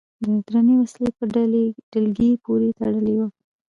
د درنې وسلې په ډلګۍ پورې تړلي و.